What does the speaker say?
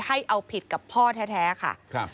ให้เอาผิดกับพ่อแท้ค่ะ